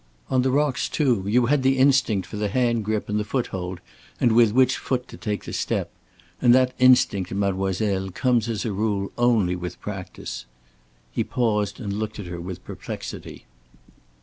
On the rocks, too, you had the instinct for the hand grip and the foothold and with which foot to take the step. And that instinct, mademoiselle, comes as a rule only with practice." He paused and looked at her perplexity.